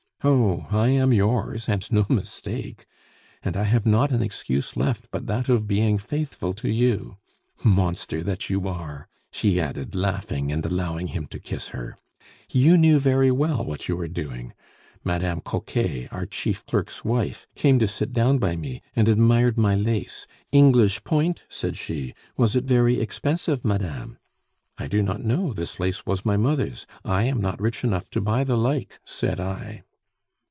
"Oh, I am yours and no mistake! And I have not an excuse left but that of being faithful to you. Monster that you are!" she added, laughing, and allowing him to kiss her, "you knew very well what you were doing! Madame Coquet, our chief clerk's wife, came to sit down by me, and admired my lace. 'English point!' said she. 'Was it very expensive, madame?' 'I do not know. This lace was my mother's. I am not rich enough to buy the like,' said I."